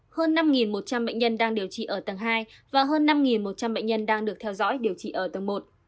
hơn năm một trăm linh bệnh nhân đang điều trị ở tầng hai và hơn năm một trăm linh bệnh nhân đang được theo dõi điều trị ở tầng một